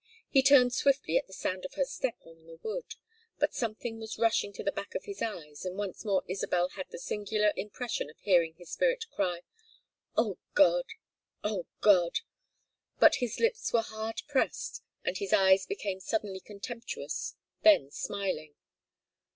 He turned swiftly at the sound of her step on the wood, but something was rushing to the back of his eyes, and once more Isabel had the singular impression of hearing his spirit cry: "Oh God! Oh God!" But his lips were hard pressed and his eyes became suddenly contemptuous, then smiling.